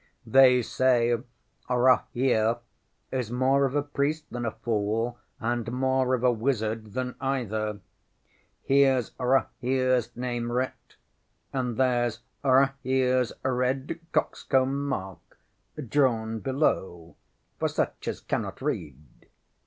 ŌĆ£They say Rahere is more of a priest than a fool and more of a wizard than either. HereŌĆÖs RahereŌĆÖs name writ, and thereŌĆÖs RahereŌĆÖs red cockscomb mark drawn below for such as cannot read.